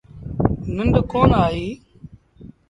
ننڊ ڪونا آئيٚ۔